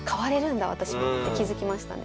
私もって気付きましたね。